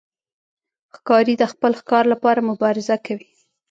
ښکاري د خپل ښکار لپاره مبارزه کوي.